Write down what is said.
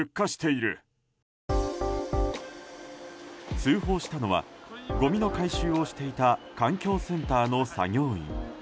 通報したのはごみの回収をしていた環境センターの作業員。